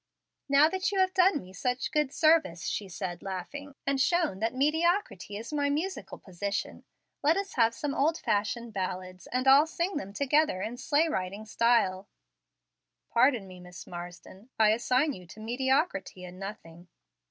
"Now that you have done me such good service," she said laughing, "and shown that mediocrity is my musical position, let us have some old fashioned ballads, and all sing them together in sleigh riding style." "Pardon me, Miss Marsden, I assign you to mediocrity in nothing."